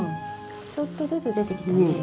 ちょっとずつ出てきたね。